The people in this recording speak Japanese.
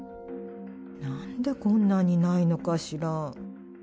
なんでこんなにないのかしら。